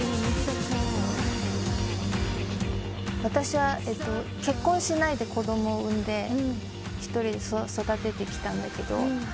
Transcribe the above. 私は結婚しないで子供を産んで一人で育ててきたんだけど。